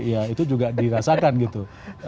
ya itu juga dirasakan gitu